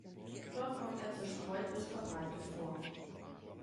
Dort kommt er zerstreut bis verbreitet vor.